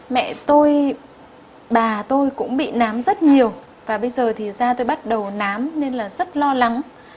mẹ tôi bà tôi cũng bị nám rất nhiều và bây giờ thì da tôi bắt đầu nám nên là rất lo lắng